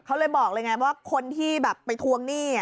เขาเลยบอกเลยไงว่าคนที่แบบไปทวงหนี้